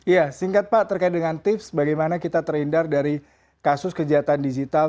ya singkat pak terkait dengan tips bagaimana kita terhindar dari kasus kejahatan digital